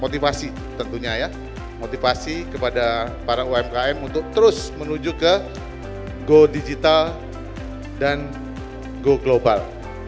motivasi tentunya ya motivasi kepada para umkm untuk terus menuju ke go digital dan go global